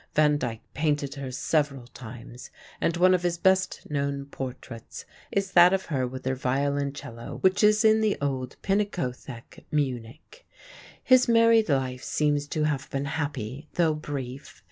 Van Dyck painted her several times, and one of his best known portraits is that of her with her violoncello, which is in the old Pinakothek (pin´ a ko thek), Munich. His married life seems to have been happy, though brief.